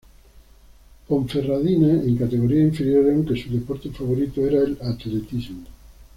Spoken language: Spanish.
Ponferradina en categorías inferiores, aunque su deporte favorito era el atletismo.